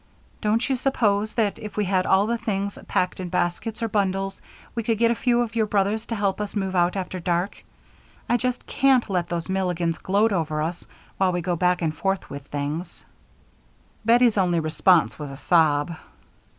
Don't you suppose that, if we had all the things packed in baskets or bundles, we could get a few of your brothers to help us move out after dark? I just can't let those Milligans gloat over us while we go back and forth with things." Bettie's only response was a sob.